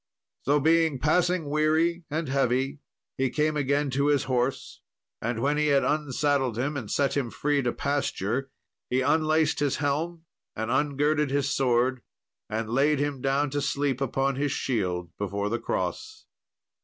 So, being passing weary and heavy, he came again to his horse, and when he had unsaddled him, and set him free to pasture, he unlaced his helm, and ungirded his sword, and laid him down to sleep upon his shield before the cross.